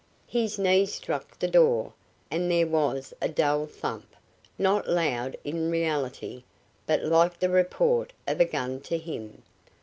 His knees struck the door, and there was a dull thump, not loud in reality, but like the report of a gun to him.